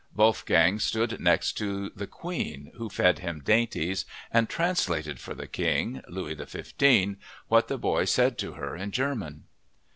Wolfgang stood next to the Queen who fed him dainties and translated for the King—Louis XV—what the boy said to her in German.